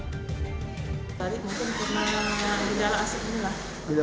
tadi mungkin pernah lidah asap ini lah